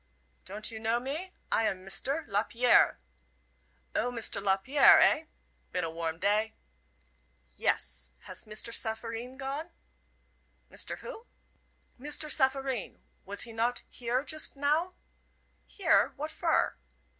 "Don't you know me? I am Mister Lapierre." "O, Mr. Lapierre, eh? Been a warm day." "Yes. Hass Mister Safareen gone?" "Mister who?" "Mister Safareen. Wass he not here shoost now?" "Here? What fur?"